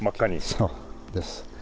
そうです。